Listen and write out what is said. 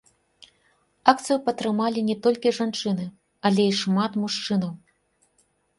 Акцыю падтрымалі не толькі жанчыны, але і шмат мужчынаў.